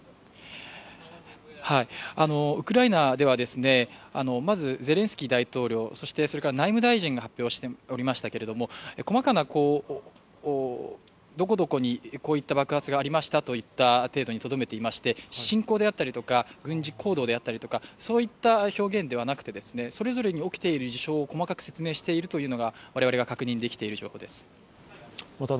ウクライナでは、まずゼレンスキー大統領、そして内務大臣が発表しておりましたけれども細かなどこどこにこういった爆発がありましたといった程度にとどめておりまして侵攻であったりとか軍事行動であったりとかそういった表現ではなくて、それぞれに起きている事象を細かく説明しているというのが我々が確認できている情報です。